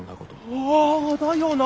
あだよな。